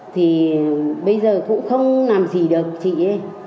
thì bây giờ cũng không làm gì được chị ấy